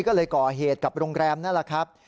ก็เลยก่อเหตุกับโรงแรมนั่นแหละครับ